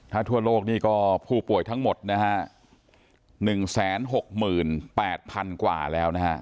ถ้าทั่วโลกนี่ก็ผู้ป่วยทั้งหมดนะฮะ๑๖๘๐๐๐กว่าแล้วนะฮะ